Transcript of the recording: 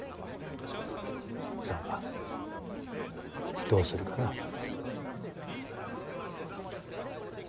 さあどうするかな。